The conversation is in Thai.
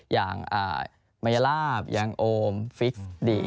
อย่างมายลาบยางโอมฟิกดี